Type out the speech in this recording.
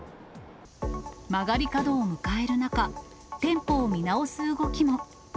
曲がり角を迎える中、店舗を見直す動きも。